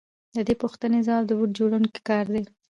د دې پوښتنې ځواب د بوټ جوړونکي کار دی